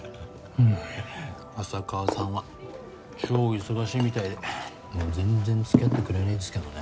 うん浅川さんは超忙しいみたいでもう全然つきあってくれないんですけどね。